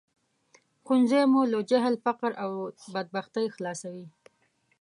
ښوونځی مو له جهل، فقر او بدبختۍ خلاصوي